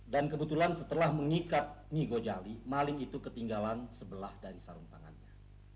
dan kebetulan setelah mengikat ngojali maling itu ketinggalan sebelah dari sarung tangannya